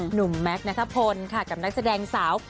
หนุ่มแม็กซ์นะครับผมค่ะกับนักแสดงสาว